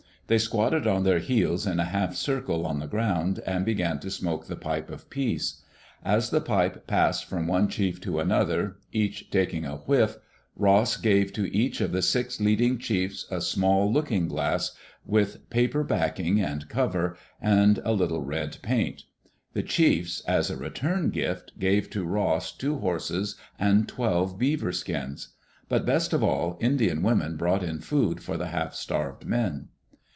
They squatted on their heels in a half circle on the ground and began to smoke the pipe of peace. As the pipe passed from one chief to another, each taking a whiff, Ross gave to each of the six leading chiefs a small looking glass, with paper Digitized by VjOOQ LC EARLY DAYS IN OLD OREGON backing and coveri and a little red paint. The chiefs, as a return gift, gave to Ross two horses and twelve beaver skins. But best of all, Indian women brought in food for the half starved men.